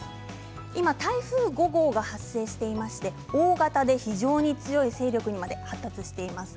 今、台風５号が発生していまして大型で非常に強い勢力にまで発達しています。